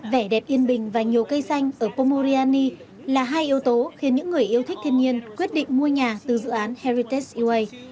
vẻ đẹp yên bình và nhiều cây xanh ở pomoriani là hai yếu tố khiến những người yêu thích thiên nhiên quyết định mua nhà từ dự án heritas ua